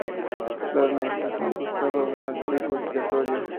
La administración buscaba un chivo expiatorio.